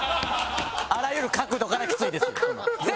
あらゆる角度からきついです。